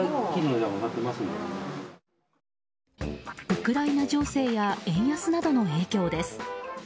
ウクライナ情勢や円安などの影響です。